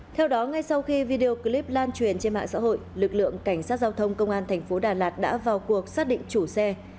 theo đó ngay sau khi video clip lan truyền trên mạng xã hội lực lượng cảnh sát giao thông công an thành phố đà lạt đã vào cuộc xác định chủ xe